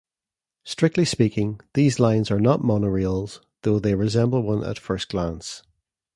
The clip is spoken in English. Strictly speaking, these lines are not monorails, though they resemble one at first glance.